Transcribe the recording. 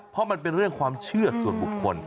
เพราะมันเป็นเรื่องความเชื่อส่วนบุคคล